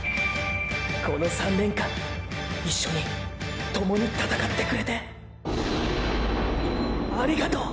この３年間一緒に共に闘ってくれてーーありがとう！！